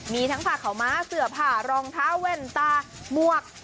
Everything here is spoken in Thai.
มีทั้งผ้าขาวม้าเสือผ่ารองเท้าแว่นตามวก